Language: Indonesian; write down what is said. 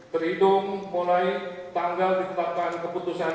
pertemuan tahun dua ribu empat belas dua ribu sembilan belas